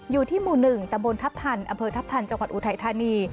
อยู่ที่หมู่๑ตำบลทัพทันอำเภอทัพทันจังหวัดอุทัยธานี